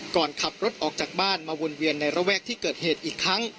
ก่อนขับรถออกจากบ้านมาวนเวียนในระแวกที่เกิดเหตุอีกครั้ง